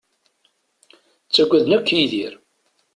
Ttaggaden akk Yidir.